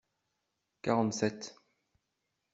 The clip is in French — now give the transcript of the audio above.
Quarante-sept.